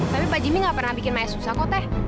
tapi pak jimmy gak pernah bikin maya susah kok teh